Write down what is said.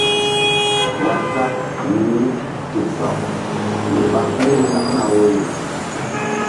Waazap mini tik tok mí ɓa huru lakna woyri.